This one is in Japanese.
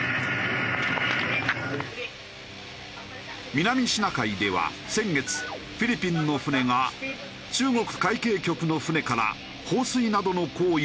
南シナ海では先月フィリピンの船が中国海警局の船から放水などの行為を受けたばかり。